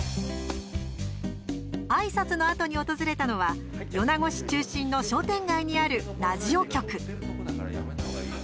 あいさつのあとに訪れたのは米子市中心の商店街にあるラジオ局。